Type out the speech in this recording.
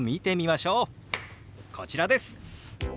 こちらです！